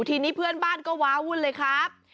ทีนี้เพื่อนบ้านก็ว้าวุ่นเลยครับ